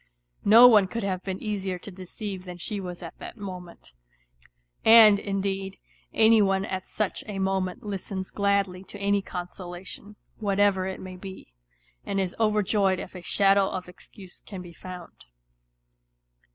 No one could have been easier to deceive than she was at that moment ; and, indeed, any one at such a moment listens gladly to any consolation, whatever it may be, and is overjoyed if a shadow of excuse can be found.